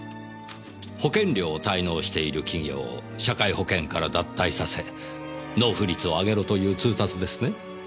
保険料を滞納している企業を社会保険から脱退させ納付率を上げろという通達ですね。